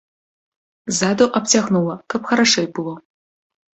Ззаду абцягнула, каб харашэй было.